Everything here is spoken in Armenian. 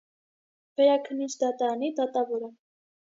Վերաքննիչ դատարանի դատավոր է։